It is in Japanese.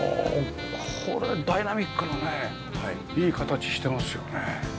これダイナミックなねいい形してますよね。